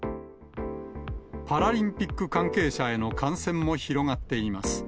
パラリンピック関係者への感染も広がっています。